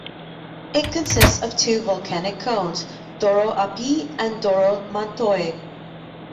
It consists of two volcanic cones, Doro Api and Doro Mantoi.